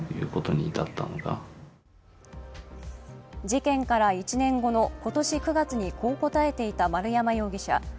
事件から１年後の今年９月にこう答えていた丸山容疑者。